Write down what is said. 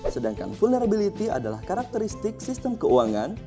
sedangkan vulnerability adalah karakteristik sistem keuangan